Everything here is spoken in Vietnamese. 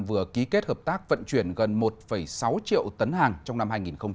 vừa ký kết hợp tác vận chuyển gần một sáu triệu tấn hàng trong năm hai nghìn hai mươi